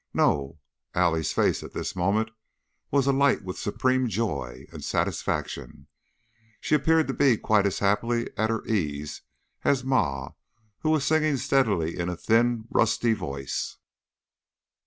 No, Allie's face at this moment was alight with supreme joy and satisfaction; she appeared to be quite as happily at her ease as Ma, who was singing steadily in a thin, rusty voice.